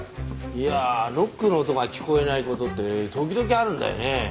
いやあノックの音が聞こえない事って時々あるんだよね。